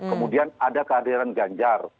kemudian ada kehadiran ganjar